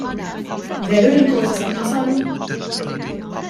Veru li l-courses qatt ma saru?